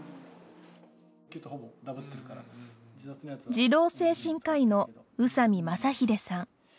児童精神科医の宇佐美政英さん。